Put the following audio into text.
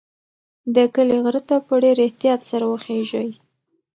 د کلي غره ته په ډېر احتیاط سره وخیژئ.